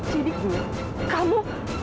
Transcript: jadi gue kamu